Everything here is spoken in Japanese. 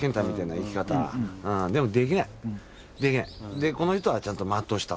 でこの人はちゃんと全うした。